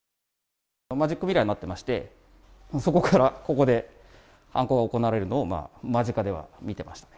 マジックミラーになってまして、もうそこからここで、犯行が行われるのを間近では見てましたね。